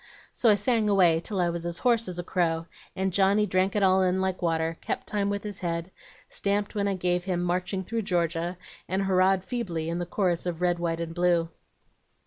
"So I sang away till I was as hoarse as a crow, and Johnny drank it all in like water; kept time with his head, stamped when I gave him 'Marching through Georgia,' and hurrahed feebly in the chorus of 'Red, White, and Blue.'